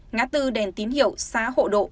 ngã tư đèn tín hiệu xá hộ độ